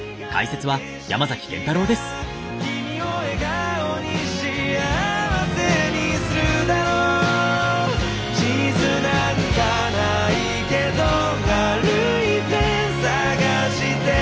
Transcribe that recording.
「君を笑顔に幸せにするだろう」「地図なんかないけど歩いて探して」